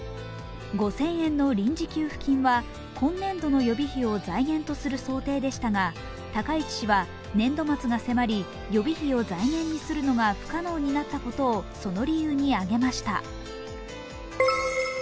５０００円の臨時給付金は今年度の予備費を財源とする想定でしたが、高市氏は年度末が迫り予備費を財源にするのが不可能になったことをその理由に挙げました。